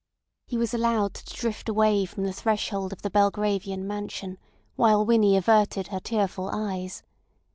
He was allowed to drift away from the threshold of the Belgravian mansion while Winnie averted her tearful eyes.